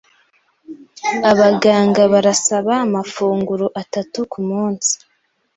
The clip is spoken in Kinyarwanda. Abaganga barasaba amafunguro atatu kumunsi.